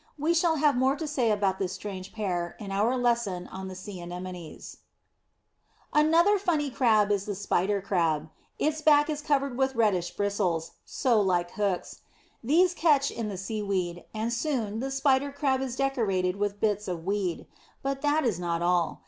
We shall have more to say about this strange pair in our lesson on the sea anemones. [Illustration: HERMIT CRAB IN WHELK'S SHELL.] Another funny Crab is the Spider Crab. Its back is covered with reddish bristles, like so many hooks. These catch in the seaweed, and soon the Spider Crab is decorated with bits of weed. But that is not all.